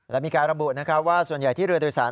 และมีการระบุว่าส่วนใหญ่ที่เรือโดยสาร